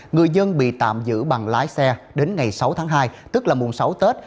người dân bị tạm giữ bằng lái xe đến ngày sáu tháng hai tức là mùng sáu tết